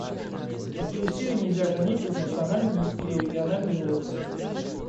Такие усилия нельзя ограничивать национальными или региональными уровнями.